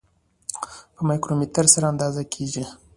په مایکرومتر سره اندازه کیږي.